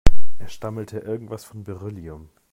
Er stammelte irgendwas von Beryllium.